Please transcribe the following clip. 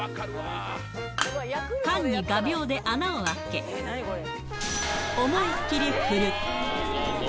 缶に画びょうで穴を開け、思いっ切り振る。